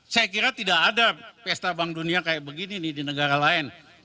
saya kira tidak ada pesta bank dunia kayak begini nih di negara lain